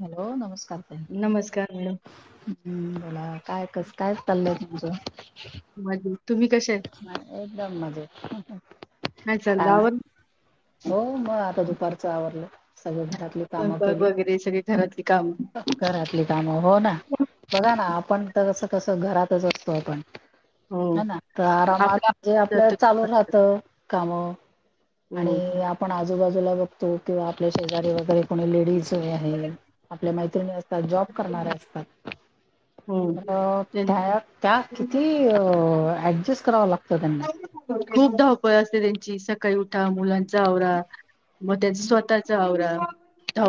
Hello नमस्कार ताई नमस्कार मॅडम हम्म बला काय कस काय चाललंय तुझं मजेत तुम्ही कशे आ एकदम मजेत काय चाललंय आवर हो मग आता दुपारचं आवरडलं सगळ घरातली कामं स्वयंपाक केले वगैरे सगळी घरातली कामं घरातले कामं हो ना. बघा ना आपण तर असं कसं घरातच असतो आपण हो. ह ना तर आपलं आरामात जे आपल्या चालू राहत काम हो, आणि आपण आजूबाजूला बघतो किंवा आपल्या शेजारी वगैरे कोणी लेडीज आहे आपल्या मैत्रिणी असतात जॉब करणारे असतात. हो. अ त्यां त्या त्या किती अ ऍडजस्ट कराव लागतं त्यांना. खूप धावपळ असते त्यांची सक सकाळी उठा मुलांचं आवरा म त्याचं स्वतःचं आवरा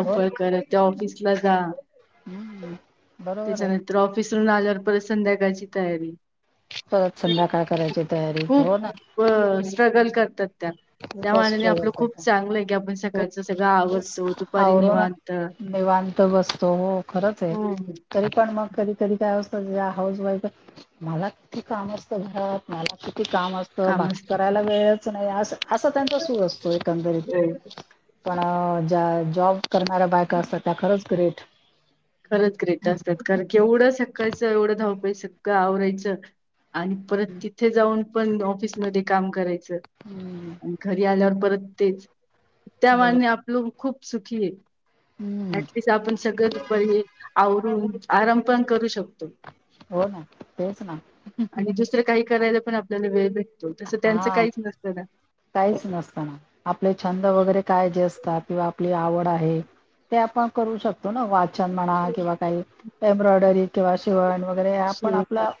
हो ना करत त्या ऑफिसला जा हम्म बरोबर आहे त्याच्यानंतर ऑफिसवरून आल्यावर परत संध्याकाळची तयारी परत संध्याकाळ करायची तयारी, हो ना. खूप अ स्ट्रगल करतात त्या त्या खूपच माने स्ट्रगल आपलं खूप करता चांगलं आहे की आपण सकाळचं सगळं आवडतो दुपारी आवरून निवां निवांत बसतो हो खरच आहे हो, तरी पण मग कधी कधी काय असत हाऊस वाईफ मला किती काम असत, घरात मला किती काम असत तर काम बाकी असतं. करायला वेळच नाही अस असा त्यांचा सूर असतो एकंदरीत खरंच पण ज्या जॉब करणारऱ्या बायका असतात त्या खरंच ग्रेट खरंच ग्रेट असतात कारण की एवढं सकाळचं एवढं धावपळीचं सगळं आवरायचं आणि परत तिथे जाऊन पण ऑफिसमध्ये काम करायच हम्म अन घरी आल्यावर परत तेच बरोबर त्यामानानं आपलं खूप सुखी हे हम्म ऍटलिस्ट आपण सगळं पर [unintelligible] आवरून आराम पण करू शक हो ना तेच ना. आणि दुसरं काही करायला पण आपल्याला वेळ भेटतो तसं त्यांचं हा काहीच नसतं ना. काहीच नसतं ना आपले छंद वगैरे काय जे असतात किंवा आपली आवड आहे ते आपण करू शकतो ना वाच छन म्हणा किंवा काही एम्ब्रॉयडरी किंवा शिवण वगैरे आपण आपला शिवणकाम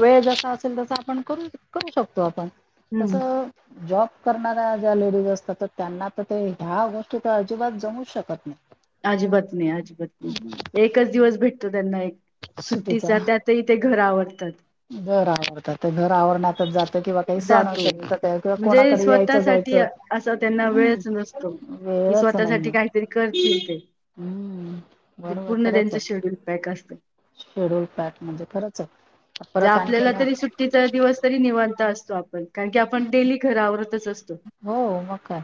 वेळ जसा असेल तस आपण करू, करू शकतो आपण हम्म तसं जॉब करणाऱ्या ज्या लेडीज असतात तर त्यांना तर ते ह्या गोष्टी त अजिबात जमू शकत नाही. आजिबात नाही, अजिबात नाही एकच दिवस भेटतो त्यांना एक सुटीचा सुट्टीचा त्यातही ते घर आवरतात. घर आवरतात तर घर आवरण्यातच जात किंवा काही सण जातो असेल तर किंवा म्हणजे कोणाकडे स्वतः यायचं साठी जायचं असा त्यांना हम्म वेळच नसतो. कि वेळच स्वतःसाठी नाहीये काहीतरी करतील ते. हम्म म्हणजे बरोबर पूर्ण खरंच त्यांच आहे शेड्यूल पॅक असतंय. शेड्यूल पॅक म्हणजे खरंच आहे. ज परत आणखी आपल्याला म- तरी हम्म, सुट्टीचा दिवस तरी निवांत असतो आपण कारण की आपण डेली घर आवरतच असतो. हो म का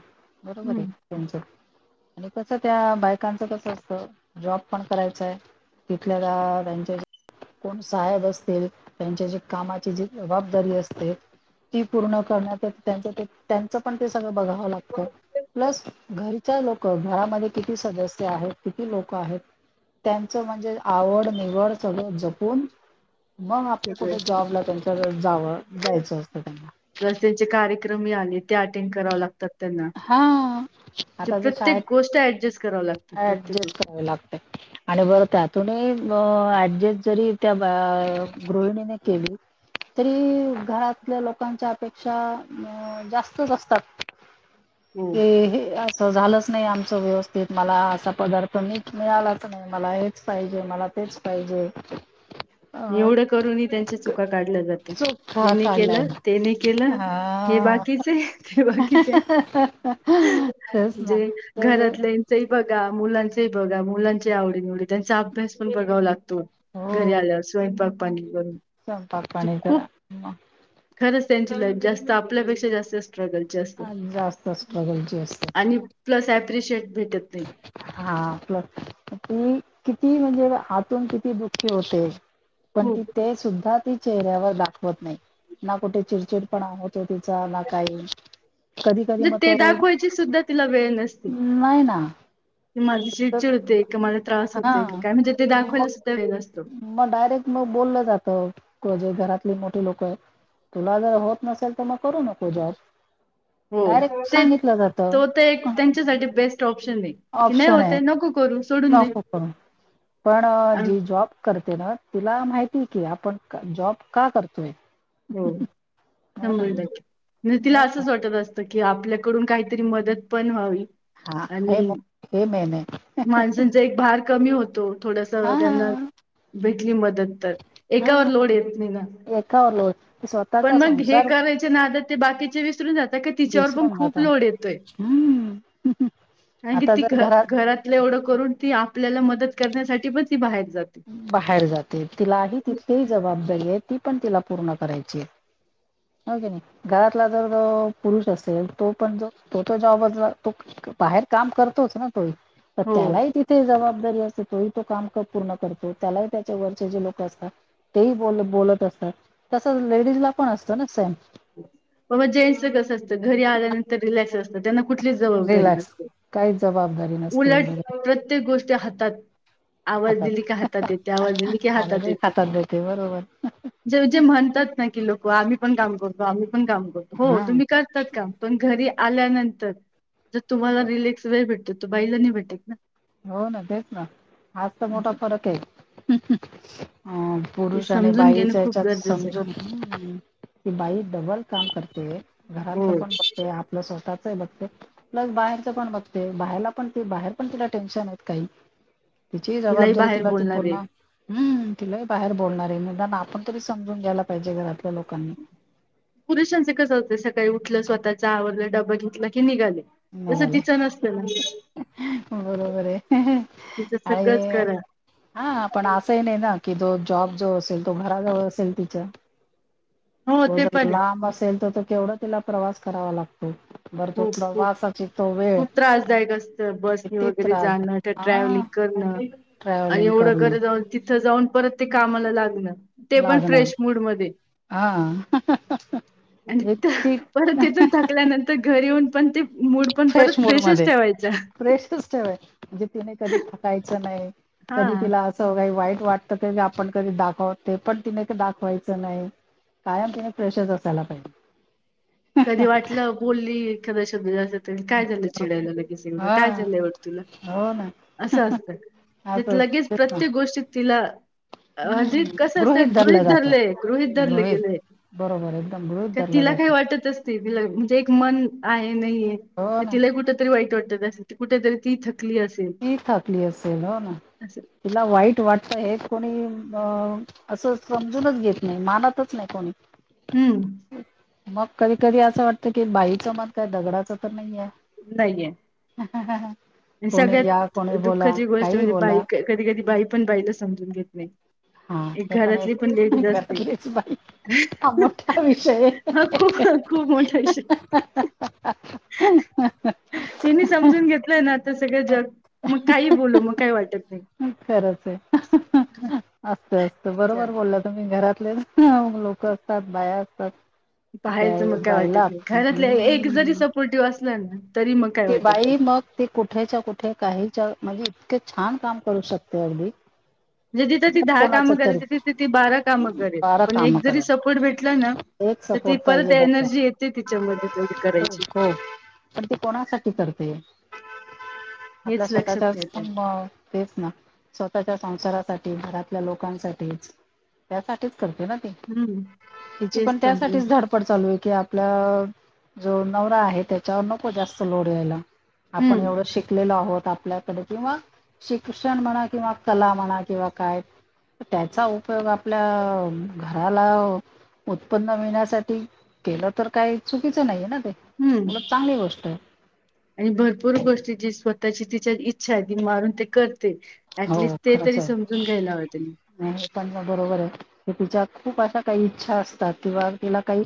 बरोबर आहे हम्म त्यांच. आणि कसं त्या बायकांचं कसं असत जॉब पण करायचाय तिथल्या [unintelligible] त्यांच्या कोण साहेब असतील त्यांच्या जे कामाची जी जबाबदारी असते. ती पूर्ण करण्यातच त्यांच त्यांच पण ते सगळं बघावं लागत. प्लस घरच्या लोक घरामध्ये किती सदस्य आहेत किती लोक आहेत. त्यांचं म्हणजे आवड निवड सगळं जपून. मग आपलं सगळे कुठं जॉबला त्यांच्याकड जावं जायचं होतं त्यांना जस त्यांचे कार्यक्रमही आले ते अटेंड कराव लागतात. त्यांना. हा आता जे तर प्रत्येक गोष्ट ऍडजस्ट करावी शाळेत लागते प्रत्येक ऍडजस्ट गोष्ट करावे लागत. आणि बरं त्यातून ऍडजस्ट जरी त्या गृहिणीने केली. तरी घरातल्या लोकांच्या अपेक्षा अ जास्तच असतात. हो ते हे असं झालंच नाही आमचं व्यवस्थित मला असा पदार्थ मि मिळालाच नायी. मला हेच पाहिजे मला तेच पाहिजे. अ एवढं करूनही त्यांच्या चुका काढल्या जातात चोखा यांनी केलं काढलाय. तेने केलं. हे हा. बाकीचे ते बाकीचे तेच ना जे तर घरातले ते बघा, मुलांचै बघा, मुलांचे आवडी निवडी, त्यांचा अभ्यास पण बघाव लाग तो घरी आल्यावर स्वयंपाक पाणी करुन संयपाक पाणी जरा म खरंच त्यांची लाईफ जास्त आपल्यापेक्षा जास्त स्ट्रगल मग जास्त स्ट्रगलची असते आणि प्लस प्रिशिएट भेटत नाही. हा पलस ती किती म्हणजे आतून किती दुखी होते. पण ती खूप ते सुद्धा ती चेहऱ्यावर दाखवत नाही. ना कुठे चिडचिड पण होतो तिचा ना काही कधी कधी म्हणजे म ते तो अं दाखवायची सुद्धा तिला नाय ना ते माझी चिड तर चिड होते का मला त्रास हा होतोय की काय म्हणजे ते मग दाखवायला सुद्धा वेळ नसतो. मग डायरेक्ट मग बोललं जातंजे घरातले मोठीे लोक आहे. तुला जर होत नसेल तर मग करू नको जॉब हो डायरेक्ट ते सांगितलं जातं. तो ते एक त्यांच्यासाठी बेस्ट ऑप्शन आहे. की नाही ऑप्शन आहे होते नको करू सोडून दे नको कर पण जी आणि जॉब करते ना, तिला माहिती की आपण जॉब का करतोय? हो हो ना शंभर टक्के हम तिला हो असंच वाटत असत बाकि आपल्याकडून काहीतरी मदत पण व्हावी हा हे आणि मे हे मेन हाय माणसांचा एक भार कमी होतो थोडस त्यांना हां भेटली मदत तर एकावर हां लोड येत नाही ना एकावर लोट की स्वतः पण चा मग हे संसार करायचे नादात ते बाकीचे विसरून जात तिच्यावर पण विसरून खूप जाता लोड येतोय हम्म कार की आता ती जर घ घरात एवढं करून ती आपल्याला मदत करण्यासाठी पण ती बाहेर जाते. बाहेर जाते तिलाही तिथली जबाबदारी आहे ती पण तिला पूर्ण करायची आहे. के नाही घरातला जर पुरुष असेल तो पण जो तो तो जबदला तो बाहेर काम करतोच ना तोय तर हो. त्यालाही तिथे जबाबदारी असे तो तो काम पूर्ण. पतो त्याला त्याच्या वरचे जे लोक असतात. तेही बोल बोलत असतात तसं लेडीजला पण असतं ना सेम बाबा जेंच कस असतं घरी आल्यानंतर रिलॅक्स असत. त्यांना कुठलीच जबाबदारी रिलॅक्स नसते काहीच जबाबदारी नसते उलट एवढी प्रत्येक गोष्टी हातात. आवाज हातात दिली का हातात येते आवाज दिली की आणि हातात बाई येते. देते बरोबर जे जे म्हणतात ना की लोक आम्ही पण काम करतो आम्ही पण काम करतो हो हा तुम्ही कर काम पण घरी आल्यानंतर जर तुम्हाला रिलक्स वेळ भेटतो. तू बाईला नाही भेटे ना. हो ना तेच ना आज तर मोठा फरक आहे ह ते पुरुष आणि समजून घेणं बाईच्या खूप हेच्यात गरजेचं आहे समजून की बाई डबल काम करते, घरातलं हो पण बघते आपलस स्वतःच बघते प्लस बाहेरच पण बघते बाहेरला पण ते बाहेर पण. टेन्शन आहेत काही तिची तिलाही जबाबदारी बाहेर तिला त बोलणार आहे. पूर्ण हम् तिला बाहेर बोलणार आहे निदाान आपण तरी समजून घ्यायला पाहिजे घरातल्या लोकांनी. पुरुषांचे कस होते सकाळी उठलं स्वतःच्या आवरलं डबबा घेतला की निघाले. तसं निघाले तिचं नसत ना. बरोबर आहे तचं सगळंच आणि करा. हा पण असंही नाही ना की जो जॉब जो असेल तो घराजवळ असेल तिच्या हो तो ते जर पण आहे लांब असेल तर त केवढा तिला प्रवास करावा लागतो. बरं तो खूप -खूप, प्रवासाची तो वेळ खूप त्रासदायक असतं बसनी किती वगैरे त्रास जाणं हा ट्रॅव्हलिंग करणं आणि ट्रॅव्हलिंग एवढं करणं कर जाऊन तिथं जाऊन परत ते कामाला लागणं. ते पण लागणार फ्रेश मूडमध्ये हा. आणि इतकी परत येेतूना. टकल्यानंतर घर येऊन पण ते मूड पण परत फ्रेशच ठेवायचा. प्रेशच ठेवायच म्हणजे तिने कधी थकायच नाही कधी हा. तिला अस काही वाईट वाटतं ते आपण कधी दाखव ते पण तिने दाखवायचं नाही. कायम तिने फ्रेशच असायला पाहिजे. कधी वाटलं बोली एखादा शब्द जास्त तर काय झालं चिडायला लगेच एवढ हा काय झालं एवढ तुला हो ना असं असतं. असं लगेच तेच ना प्रत्येक गोष्टीत तिला. अजी हम्म कसं असतंय गृहित धरलं जातं धरलेय गृहित धरले गेले. बरोबर एकदम वृद्धरला जातं. ति म्हणजे एक मन आहे नाहीे हो ना तिला कुठ वाईट वाटत कुठेतरी ती थकली अस ती थाकली असेल हो ना तिला वाईट वाटत हे कोणी अ असं समजूनच घेत नाही मानातच नाही कोणी. हम्म. मग कधी कधी असं वाटतं की बाईचं मन काय दगडाच तर नाही आहे. नाहीये. हा हा हा सगळ्यात दुःखाची गोष्ट काही म्हणजे बोला बाईक कधी कधी बाई पण बाईला समजून घेत नाही. हा एक हे पण घरातली एक लेडीज असते घरातलेच बाई हा मोठा विषय हाय ह खूप मोठा विषय आहे. [inaudible] तिने समजून घेतलंय ना आता सगळं जग मग काही बोलू मग काही वाटत नाही. खरंच आहे असत असत बरोबर चला बोल. तुम्ही घरातले लोक असतात बाया असतात. पाहायचं त्या मग काय वाटत बाईला नाही घरातल्या एक जरी सपोर्टिव्ह असलं ना. तरी मग काय ते वाटत बाई नाही. मग. ती कुठेच्या कुठे काहीच्या म्हणजे इतके छान काम करू शकते अगदी. म्हजे तिथं ती जर दहा कोणाच कामं तरी करायची तिथे ती बारा कामं करेल बारा पण काम एक जरी करेल सपोर्ट भेटला ना. एक तर ती सपोर्ट परत पाहिजे बाईला. एनर्जी येते तिच्यामध्ये तेवढी हो करायचीच. हो पण ती कोणासाठी करते आपल्या हेच स्वतःच्या लक्षात येते नं मं. अं तेच ना स्वतःच्या संसारासाठी, घरातल्या लोकांसाठीच. त्यासाठीच करते ना ती, हम्म तिची तेच पण समजून त्यासाठीच धड पड चालू आहे की आपला जो नवरा आहे, त्याच्यावर नको जास्त लोड यायला. आपण हम्म एवढं शिकलेलो आहोत आपल्याकडे किंवा शिक्षण म्हणा, किंवा कला म्हणा, किंवा काय त्याचा उपयोग आपल्या अ घराला अ. उत्पन्न मिळण्यासाठी केलं तर काही चुकीचं नाहीये ना ते, हम्म उलट चांगली गोष्ट आहे. आणि भरपूर गोष्टी जी स्वतःची तिच्या इच्छा आहे, ती मारून ते करते हो ऍटलिस्ट ते खरंच तरी आहे. समजून घ्यायला हवं त्यांनी. हे पण बरोबर आहे तिच्या खूप अशा काही इच्छा असतात, किंवा तिला काही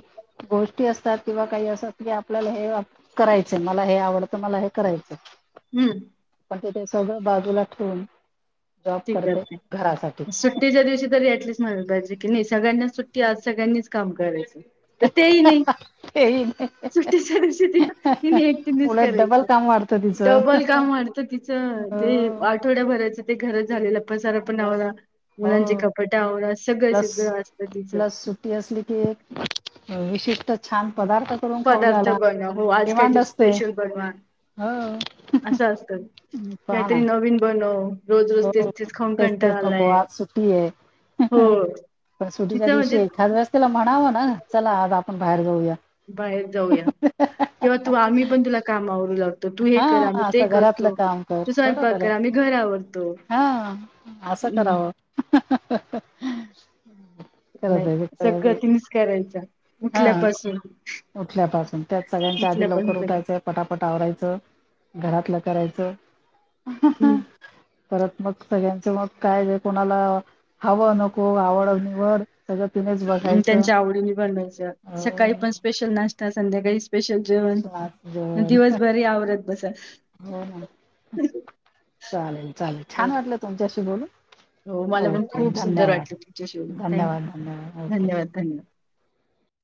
गोष्टी असतात, किंवा काही अस की आपल्याला हे करायचं, मला हे आवडतं मला हे करायचं. हूं! पण ते ते सगळं बाजूला ठेवून जॉब ती करते. घरासाठी टीच्या दिवशी तरी ऍटलीस्ट म्हणायला पाहिजे की नही, सगळ्यांनाच सुट्टी आज सगळ्यांनीच काम करायचं. त तेही नही. सुट्टीच्या दिवशी ती तिने एकटीनेच उलट डबल करायच काम वाढतं तिचं डबल काम वाढतं तिचं, ते आठवड्या भराचं ते घरात झालेला पसारा पण आवरा. मुलांचे कपाटे आवरा सगळं सगळं असतं तिचं. प्लस-प्लस सुट्टी असली की एक विशिष्ट छान पदार्थ करून खाऊ पदार्थ घाला बनवा हो आज डिमांड काहीतरी असते स्पेशल बनवा हो असं असत पहा काहीतरी ना नवीन बनव. रोजरोज, हो तेचतेच, खऊन तेच तेच कंटाळा नको आलाय. आज सुट्टी आहे. हो तिच म्हणजे त्याला म्हणावं ना चला आज आपण बाहेर जाऊया. बाहेर जाऊया, किंवा तू आम्ही पण तुला काम आवरू लाग तो त तु हे कर हा आम्ही ते असं घरातलं करतो, काम कर तू स्वयंपाक बरोबर कर आहे आम्ही घर आवरतो. हा असं हम्म करावं. खरंच नाही आहे खरंच सगळं आहे तिनीच करायचं, हा उठल्यापासून. उठल्यापासून, त्यात सगळ्यांच्या आधी उठल्यापासून लवकर सगळं. उठायच पटापट आवराायचं, घरातलं करायचं. हूं! परत मग सगळ्यांचं मग काय जे कोणाला हवं नको आवड निवड. सगळं तिनेचं ब ऊ त्यांच्या आवडीने बनवायचं सकाळी पण हो स्पेशल नास्टा संध्याकाळीसं स्पेशल जेवण, आज नं जेवण दिवसभर हे आवरत बसा. हो ना. चालेल, चालेल छान वाटलं तुमच्याशी बोलून. हो मला पण ओके खूप सुंदर वाटलं तुमच्या शी धन्यवाद बोलून थँक्यू धन्यवाद ओके धन्यवाद, धन्यवाद.